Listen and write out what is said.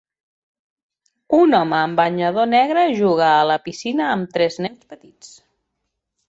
Un home amb banyador negre juga a la piscina amb tres nens petits.